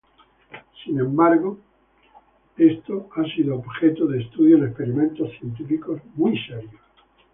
Sin embargo, esto ha sido objeto de estudio en experimentos científicos serios.